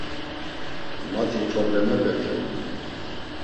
Mati problemepe miğun.